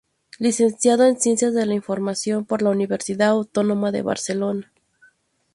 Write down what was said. Licenciado en Ciencias de la Información por la Universidad Autónoma de Barcelona.